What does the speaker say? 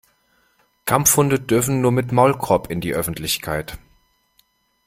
Kampfhunde dürfen nur mit Maulkorb in die Öffentlichkeit.